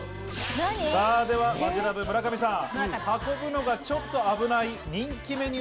ではマヂラブ・村上さん。